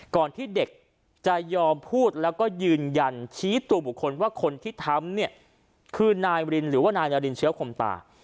ก่อนที่เด็กจะยอมพูดแล้วก็ยืนยันชี้ตัวบุคคลว่าคนที่ทำเนี่ยคือนายรินหรือว่านายนารินเชื้อคมตา